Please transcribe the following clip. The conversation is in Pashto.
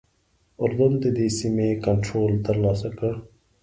اردن ددې سیمې کنټرول ترلاسه کړ.